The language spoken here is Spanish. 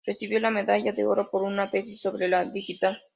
Recibió la medalla de oro por su tesis sobre la digital.